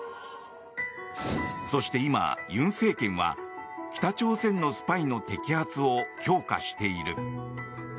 そして今、尹政権は北朝鮮のスパイの摘発を強化している。